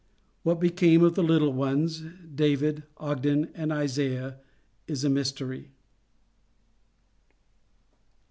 What became of the little ones, David, Ogden and Isaiah, is a mystery.